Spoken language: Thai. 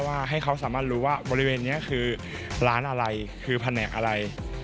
ให้เขาสามารถรู้ว่าบริเวณนี้คือร้านอะไรคือแผนกอะไร